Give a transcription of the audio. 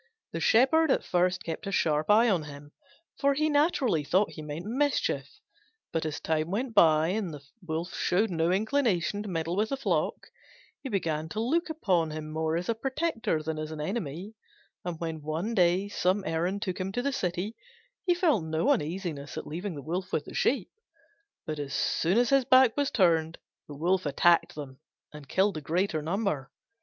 The Shepherd at first kept a sharp eye on him, for he naturally thought he meant mischief: but as time went by and the Wolf showed no inclination to meddle with the flock, he began to look upon him more as a protector than as an enemy: and when one day some errand took him to the city, he felt no uneasiness at leaving the Wolf with the sheep. But as soon as his back was turned the Wolf attacked them and killed the greater number.